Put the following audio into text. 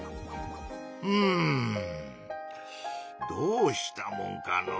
うんどうしたもんかのう。